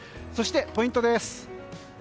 そして、ポイントです。